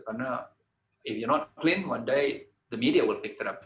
karena jika anda tidak bersih suatu hari media akan mengambil masalah